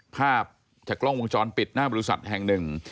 ภาพจากกล้องวงจรปิดหน้าบริษัทแห่งหนึ่ง